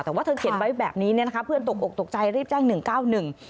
แต่ว่าเธอเห็นไว้แบบนี้เนี่ยนะคะเพื่อนตกอกตกใจรีบแจ้ง๑๙๑